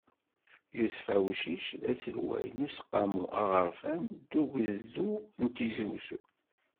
Yusef Awcic, d aselway n useqqamu aɣerfan n ugezdu n Tizi Uzzu.